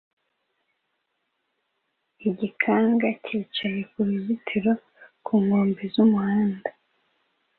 Igikanka cyicaye ku ruzitiro ku nkombe z'umuhanda